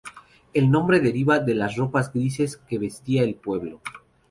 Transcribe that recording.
El nombre deriva de las ropas grises que vestía el pueblo.